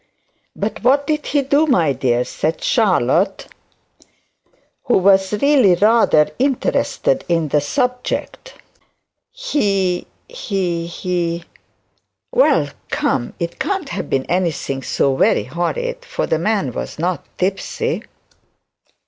'But what did he do, my dear?' said Charlotte, who was really rather interested in the subject. 'He he he ' 'Well come, it can't have been anything so very horrid, for the man was not tipsy.'